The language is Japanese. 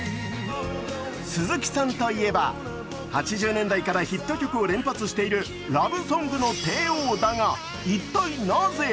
鈴木さんといえば、８０年代からヒット曲を連発しているラブソングの帝王だが一体なぜ？